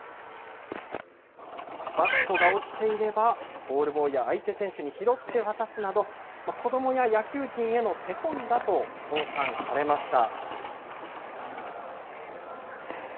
バットが落ちていれば、ボールボーイや相手選手に拾って渡すなど、子どもや野球人への手本だと称賛されました。